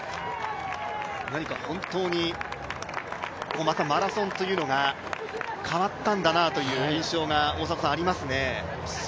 何か本当に、またマラソンというのが変わったんだなという印象がありますね。